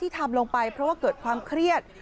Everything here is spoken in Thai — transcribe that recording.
ทำลงไปเพราะว่าเกิดความเครียด